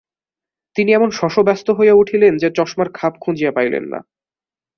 তিনি এমনি শশব্যস্ত হইয়া উঠিলেন যে চশমার খাপ খুঁজিয়া পাইলেন না।